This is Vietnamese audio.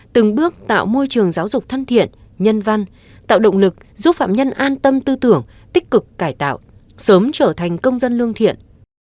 từng bước tạo môi trường giáo dục thân thiện nhân văn tạo động lực giúp phạm nhân an tâm tư tưởng tích cực cải tạo sớm trở thành công dân lương thiện